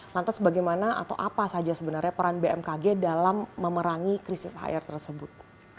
lantas bagaimana atau apa saja sebenarnya peran bmkg dalam memerangi krisis air tersebut